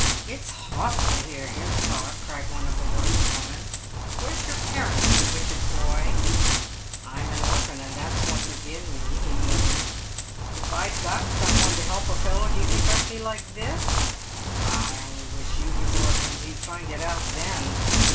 "It's hawful to hear him talk," cried one of the washerwomen; " where's your parents, you wicked boy ?"" I am an orphan, and that's what's agin' me," he muttered. " If I'd got some one to help a fellow, do you think I'd be like this ? Ah, I only wish you was orphans, you'd find it out then."